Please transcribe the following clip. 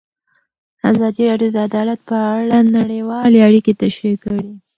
ازادي راډیو د عدالت په اړه نړیوالې اړیکې تشریح کړي.